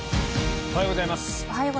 おはようございます。